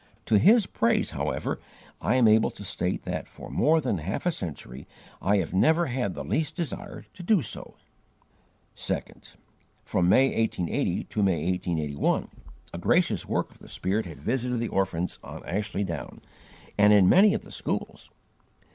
To His praise, however, I am able to state that for more than half a century I have never had the least desire to do so." Second. From May, 1880, to May 1881, a gracious work of the Spirit had visited the orphans on Ashley Down and in many of the schools.